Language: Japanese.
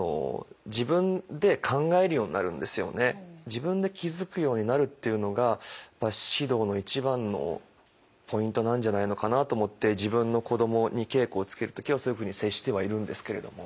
自分で気づくようになるっていうのが指導の一番のポイントなんじゃないのかなと思って自分の子どもに稽古をつける時はそういうふうに接してはいるんですけれども。